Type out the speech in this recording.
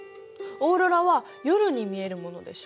オーロラは夜に見えるものでしょ。